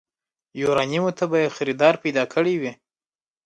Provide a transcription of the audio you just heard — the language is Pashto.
يوارنيمو ته به يې خريدار پيدا کړی وي.